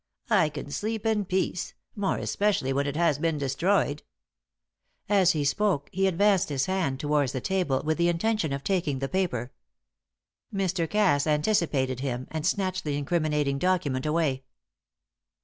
"I can sleep in peace, more especially when it has been destroyed." As he spoke he advanced his hand towards the table with the intention of taking the paper. Mr. Cass anticipated him, and snatched the incriminating document away.